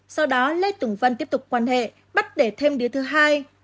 sau đó lê tùng vân tiếp tục quan hệ bắt để thêm đứa thứ hai